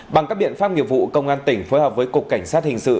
bằng các biện pháp nghiệp vụ công an tỉnh phối hợp với cục cảnh sát hình sự